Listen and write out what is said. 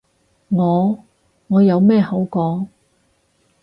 我？我有咩好講？